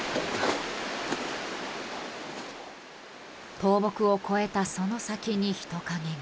倒木を越えたその先に人影が。